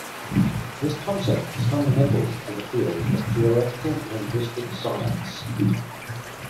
This concept is fundamental to the field of Theoretical Linguistic Science.